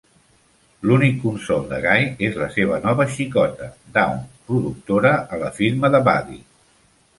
L'únic consol de Guy és la seva nova xicota, Dawn, productora a la firma de Buddy.